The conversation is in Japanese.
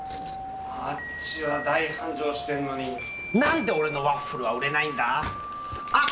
あっちは大繁盛してるのになんで俺のワッフルは売れないんだ⁉あっ！